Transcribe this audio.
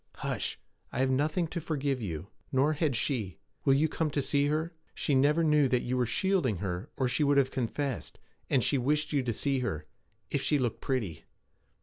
Hush! I have nothing to forgive you. Nor had she. Will you come to see her? She never knew that you were shielding her, or she would have confessed; and she wished you to see her if she looked pretty.'